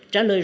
trả lời rõ